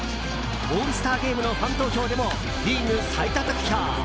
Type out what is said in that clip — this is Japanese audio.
オールスターゲームのファン投票でもリーグ最多得票。